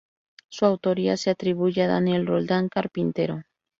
Su autoría se atribuye a Daniel Roldán Carpintero.